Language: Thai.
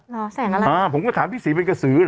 แสงอะไรอ่าผมก็ถามพี่ศรีเป็นกระสือเหรอ